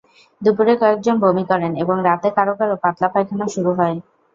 দুপুরে কয়েকজন বমি করেন এবং রাতে কারও কারও পাতলা পায়খানা শুরু হয়।